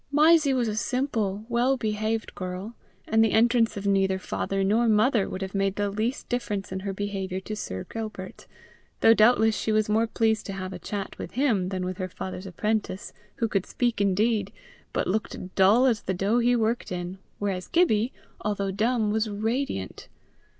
Mysie was a simple, well behaved girl, and the entrance of neither father nor mother would have made the least difference in her behaviour to Sir Gilbert, though doubtless she was more pleased to have a chat with him than with her father's apprentice, who could speak indeed, but looked dull as the dough he worked in, whereas Gibbie, although dumb, was radiant.